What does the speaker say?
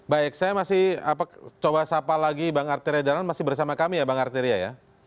baik saya masih coba sapa lagi bang artir ya dan masih bersama kami ya bang artir ya